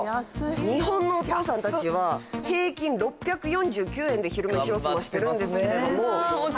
日本のお父さんたちは平均６４９円で昼めしを済ませてるんですけども。